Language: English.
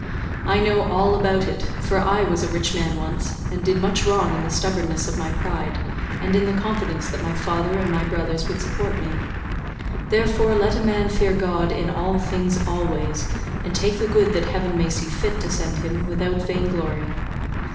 I know all about it, for I was a rich man once, and did much wrong in the stubbornness of my pride, and in the confidence that my father and my brothers would support me; therefore let a man fear God in all things always, and take the good that heaven may see fit to send him without vain glory.